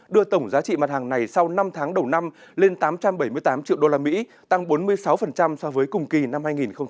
đưa tổng giá trị mặt hàng này sau năm tháng đầu năm lên tám trăm bảy mươi tám triệu đô la mỹ tăng bốn mươi sáu so với cùng kỳ năm hai nghìn một mươi tám